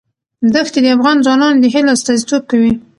دښتې د افغان ځوانانو د هیلو استازیتوب کوي.